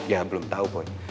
ya belum tahu boy